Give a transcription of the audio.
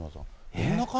どんな感じ。